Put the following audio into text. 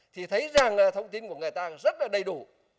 thì thấy rằng là thông tin của người ta rất là đầy đủ